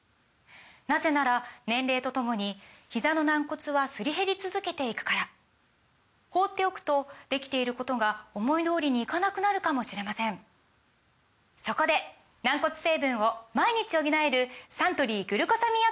なぜなら年齢とともにひざの軟骨はすり減り続けていくから放っておくとできていることが思い通りにいかなくなるかもしれませんそこで軟骨成分を毎日補えるサントリー「グルコサミンアクティブ」！